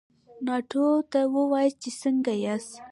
ناټو ته ووایاست چې څنګه ياست؟